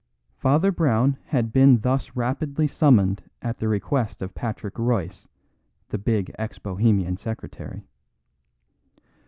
Father Brown had been thus rapidly summoned at the request of Patrick Royce, the big ex Bohemian secretary.